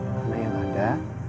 karena yang ada